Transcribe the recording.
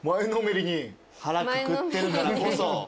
腹くくってるからこそ。